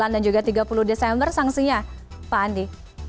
dua puluh delapan dua puluh sembilan dan juga tiga puluh desember sangsinya pak andi